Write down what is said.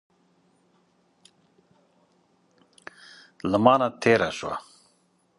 له مانه تېره شوه.